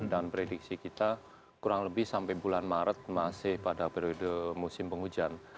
dan prediksi kita kurang lebih sampai bulan maret masih pada periode musim penghujan